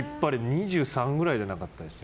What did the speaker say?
２３ぐらいじゃなかったですか？